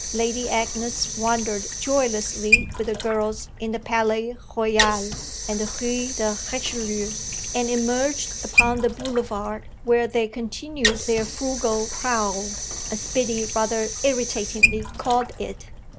Lady Agnes wandered joylessly with the girls in the Palais Royal and the Rue de Richelieu, and emerged upon the Boulevard, where they continued their frugal prowl, as Biddy rather irritatingly called it.